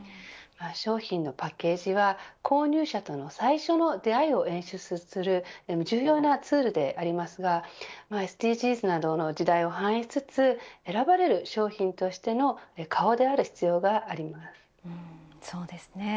商品のパッケージは購入者との最初の出会いを演出する重要なツールでありますがＳＤＧｓなどの時代を反映しつつ選ばれる商品としてのそうですね。